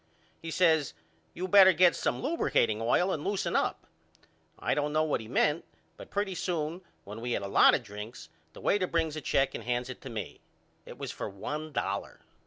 He says You better get some lubricating oil and loosen up. I don't know what he meant but pretty soon when we had had a lot of drinks the waiter brings a check and hands it to me. It was for one dollar.